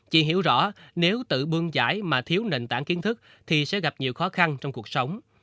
chị hiểu rõ nếu tự bương giải mà thiếu nền tảng kiến thức thì sẽ gặp nhiều khó khăn trong cuộc sống